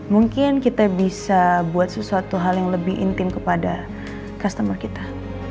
mungkin kita bisa buat sesuatu hal yang lebih intim kepada customer kita